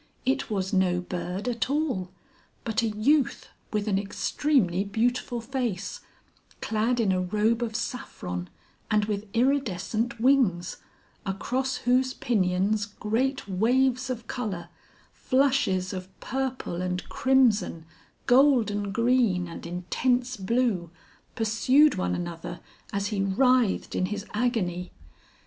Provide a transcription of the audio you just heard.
It was no bird at all, but a youth with an extremely beautiful face, clad in a robe of saffron and with iridescent wings, across whose pinions great waves of colour, flushes of purple and crimson, golden green and intense blue, pursued one another as he writhed in his agony.